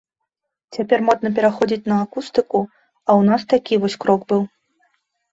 Цяпер модна пераходзіць на акустыку, а ў нас такі вось крок быў.